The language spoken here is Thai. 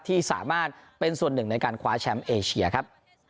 ที่สามารถเป็นส่วนหนึ่งในการคว้าแชมป์เอเชียครับ